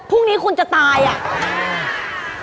พรุ่งนี้คุณจะตายอ่ะ